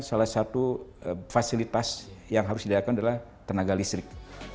salah satu fasilitas yang harus didapatkan adalah tenaga listrik